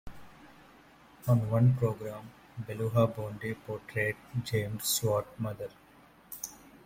On one program Beulah Bondi portrayed James Stewart's mother.